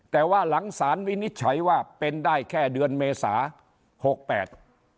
แต่ว่าหลังสารวินิจฉัยว่าเป็นได้แค่เดือนเมษาหกแปด